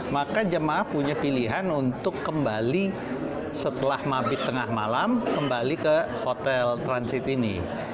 maka jemaah punya pilihan untuk kembali setelah mabit tengah malam kembali ke hotel transit ini